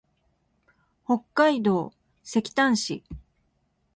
北海道積丹町